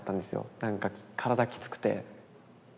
なんか体きつくて。